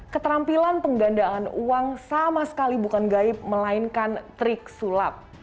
keterampilan penggandaan uang sama sekali bukan gaib melainkan trik sulap